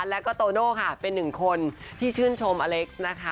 แล้วก็โตโน่ค่ะเป็นหนึ่งคนที่ชื่นชมอเล็กซ์นะคะ